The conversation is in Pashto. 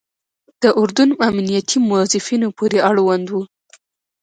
د اردن امنیتي موظفینو پورې اړوند وو.